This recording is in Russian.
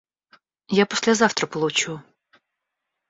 Я послезавтра получу.